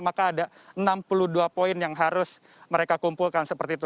maka ada enam puluh dua poin yang harus mereka kumpulkan seperti itu